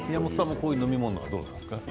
こういう飲み物どうですか？